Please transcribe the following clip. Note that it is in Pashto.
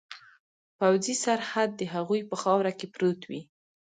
پوځي سرحد د هغوی په خاوره کې پروت وي.